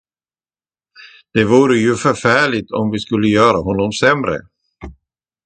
Det vore ju förfärligt, om vi skulle göra honom sämre.